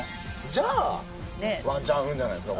じゃあ、ワンチャンあるんじゃないですか？